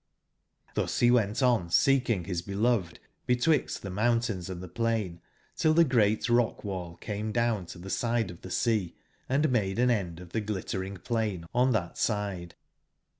tibus be went on seeking bis beloved betwixt tbe mountains and tbe plain, till tbe great rock/wall came down to tbe side of tbe sea and made an end of tbe Glittering plain on tbat side.